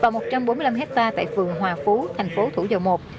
và một trăm bốn mươi năm hectare tại phường hòa phú thành phố thủ dầu một